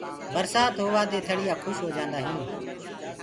برشآت هووآ دي ٿݪيآ کُش هوجآنٚدآ هينٚ